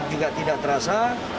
kami juga tidak terasa